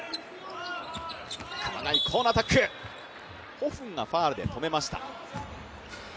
ホ・フンがファウルで止めました。